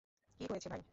কী হয়েছে, ভাই?